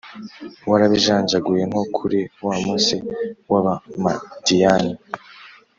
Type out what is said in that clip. warabijanjaguye nko kuri wa munsi w’Abamadiyani.